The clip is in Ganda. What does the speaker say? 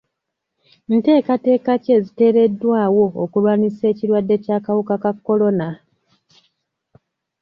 Nteekateeka ki eziteekeddwawo okulwanyisa ekirwadde ky'akawuka ka kolona?